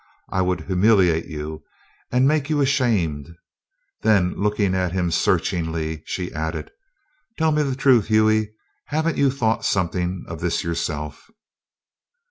I would humiliate you and make you ashamed." Then, looking at him searchingly, she added: "Tell me the truth, Hughie haven't you thought something of this yourself?"